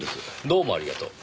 どうもありがとう。